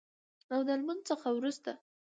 او د لمونځ څخه وروسته